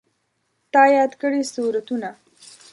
تا یاد کړي سورتونه